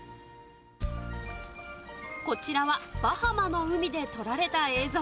こちらはバハマの海で撮られた映像。